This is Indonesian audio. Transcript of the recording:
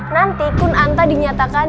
nanti kun anta dinyatakan